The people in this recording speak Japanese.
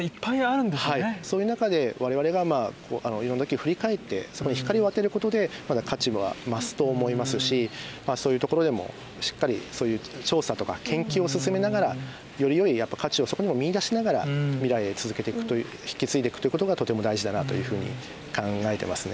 そういう中で我々がまあいろんな時に振り返ってそこに光を当てることでまだ価値は増すと思いますしそういうところでもしっかりそういう調査とか研究を進めながらよりよい価値をそこにも見いだしながら未来へ続けていくという引き継いでいくということがとても大事だなというふうに考えてますね。